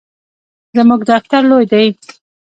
زموږ دفتر لوی دی